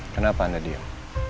kenapa anda diam